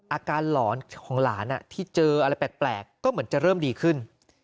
หลอนของหลานที่เจออะไรแปลกก็เหมือนจะเริ่มดีขึ้น